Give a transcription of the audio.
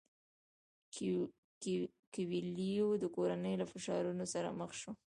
کویلیو د کورنۍ له فشارونو سره مخ شو.